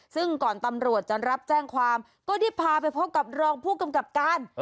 ซึ่งก่อนตำรวจจะรับแจ้งความก็ได้พาไปพบกับรองผู้กำกับการ